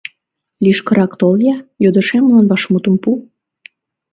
— Лишкырак тол-я, йодышемлан вашмутым пу.